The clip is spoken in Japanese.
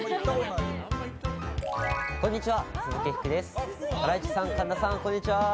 こんにちは。